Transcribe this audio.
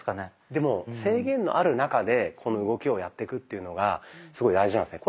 でも制限のある中でこの動きをやってくっていうのがすごい大事なんですね。